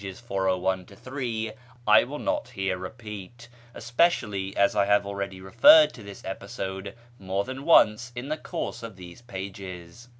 401 3), I will not here repeat, especially as I have already referred to this episode more than once in the course of these pages.